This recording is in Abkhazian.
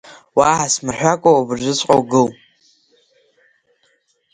Уаҳа смырҳәакәа, абыржәыҵәҟьа угыл!